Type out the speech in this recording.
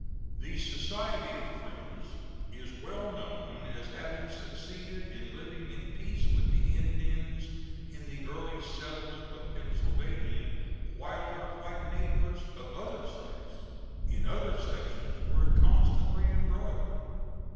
The Society of Friends is well known as having succeeded in living in peace with the Indians in the early settlement of Pennsylvania, while their white neighbors of other sects in other sections were constantly embroiled.